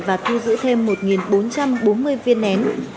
và thu giữ thêm một bốn trăm bốn mươi viên nén